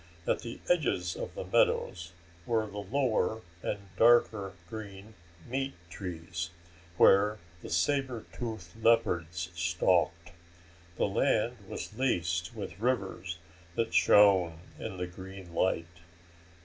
At the edges of the meadows were the lower and darker green meat trees, where the saber tooth leopards stalked. The land was laced with rivers that shone in the green light.